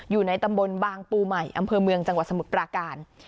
อยู่ในตำบลบางปูใหม่อำเภอเมืองจังหวัดสมุทรปราการ